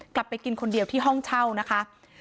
กลับไปกินคนเดียวที่ห้องเช่านะคะ